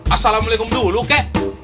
assalamu'alaikum dulu kek